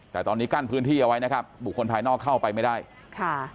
แต่ตอนนี้กั้นพื้นที่เอาไว้นะครับบุคคลภายนอกเข้าไปไม่ได้ค่ะ